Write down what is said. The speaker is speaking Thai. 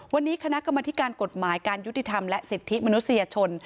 วันนี้คณะกรรมธิการกฎหมายการยุติธรรมและสิทธิมนุษยชน